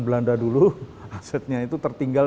belanda dulu asetnya itu tertinggal